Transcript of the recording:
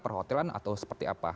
perhotelan atau seperti apa